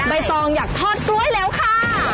ใบตองอยากทอดกล้วยแล้วค่ะ